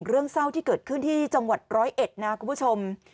เรื่องเศร้าที่เกิดขึ้นที่จังหวัดร้อยเอ็ดนะคุณผู้ชม